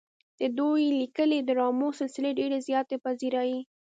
د دوي ليکلې ډرامو سلسلې ډېره زياته پذيرائي